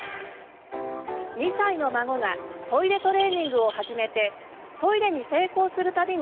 ２歳の孫がトイレトレーニングを始めてトイレに成功する度に